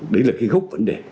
đấy là cái gốc vấn đề